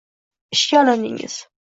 - Ishga olindingiz!